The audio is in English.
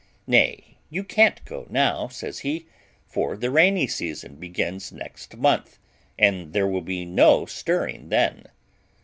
"Nay, you can't go now," says he, "for the rainy season begins next month, and there will be no stirring then."